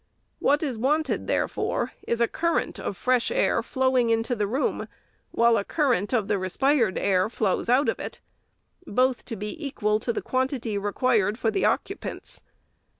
What is wanted, therefore, is a current of fresh air flow ing into the room, while a current of the respired air flows out of it ; both to be equal to the quantity required for the occupants.